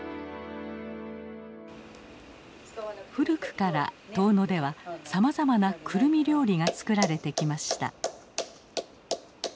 古くから遠野ではさまざまなクルミ料理が作られてきました。